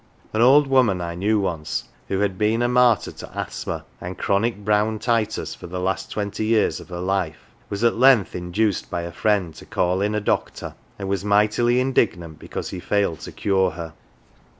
An old woman I knew once, who had been a martyr to asthma and chronic " brown titus " for the last twenty years of her life, was at length induced by a friend to call in a doctor, and was mightily indignant because he failed to cure her.